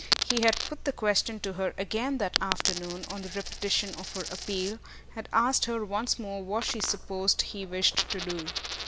He had put the question to her again that afternoon, on the repetition of her appeal had asked her once more what she supposed he wished to do.